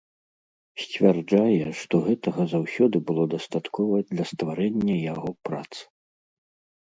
Сцвярджае, што гэтага заўсёды было дастаткова для стварэння яго прац.